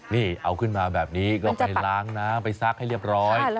นี่เอาขึ้นมาแบบนี้ก็ไปล้างน้ำไปซักให้เรียบร้อย